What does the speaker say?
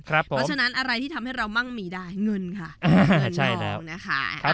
เพราะฉะนั้นอะไรที่ทำให้เรามั่งมีได้เงินค่ะเงินทองนะคะ